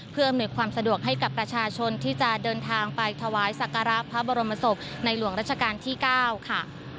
เพื่ออำนวยความสะดวกให้กับประชาชนที่จะเดินทางไปถวายสักการะพระบรมศพในหลวงราชการที่๙ค่ะ